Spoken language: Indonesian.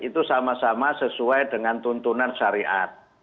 itu sama sama sesuai dengan tuntunan syariat